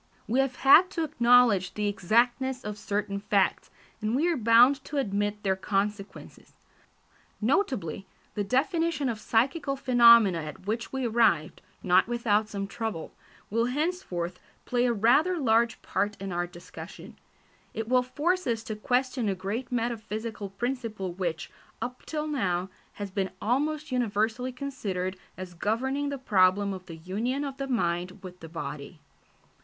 We have had to acknowledge the exactness of certain facts, and we are bound to admit their consequences. Notably, the definition of psychical phenomena at which we arrived, not without some trouble, will henceforth play a rather large part in our discussion. It will force us to question a great metaphysical principle which, up till now, has been almost universally considered as governing the problem of the union of the mind with the body.